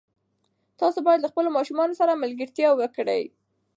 تاسو باید له خپلو ماشومانو سره ملګرتیا وکړئ.